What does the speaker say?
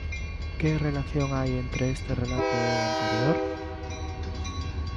Que relación hai entre este relato e o anterior?